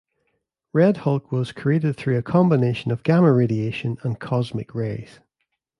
Red Hulk was created through a combination of gamma radiation and cosmic rays.